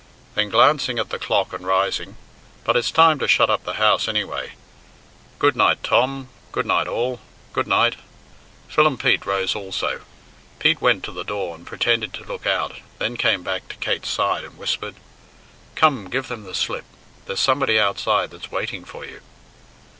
Then, glancing at the clock and rising, "But it's time to shut up the house, anyway. Good night, Tom! Good night all! Good night!" Phil and Pete rose also. Pete went to the door and pretended to look out, then came back to Kate's side and whispered, "Come, give them the slip there's somebody outside that's waiting for you."